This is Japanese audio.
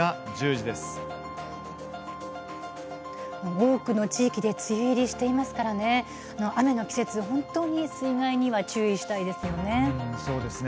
多くの地域で梅雨入りしていますから雨の季節は本当に水害には注意したいですよね。